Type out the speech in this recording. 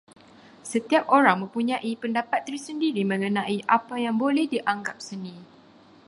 Setiap orang mempunyai pendapat tersendiri mengenai apa yang boleh dianggap seni.